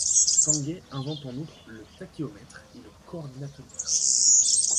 Sanguet invente en outre le tachéomètre et le coordinatomètre.